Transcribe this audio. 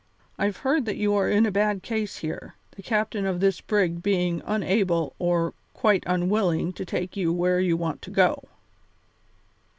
I've heard that you're in a bad case here, the captain of this brig being unable or quite unwilling to take you where you want to go."